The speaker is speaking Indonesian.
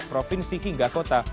provinsi hingga kota